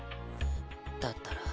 だったら。